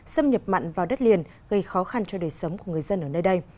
xâm nhập mặn vào đất liền gây khó khăn cho đời sống của người dân ở nơi đây